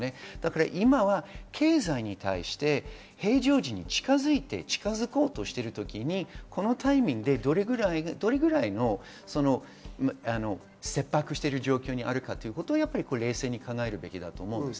今、経済に対して平常時に近づいて近づこうとしている時にこのタイミングでどれくらいの切迫している状況にあるかを冷静に考えるべきだと思います。